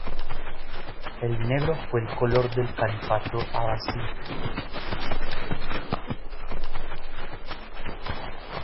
El negro fue el color del Califato Abbasí.